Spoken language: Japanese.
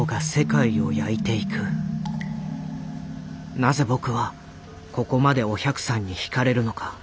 なぜ僕はここまでお百さんに惹かれるのか。